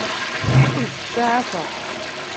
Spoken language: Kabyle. Ur kent-ttsaɛafeɣ.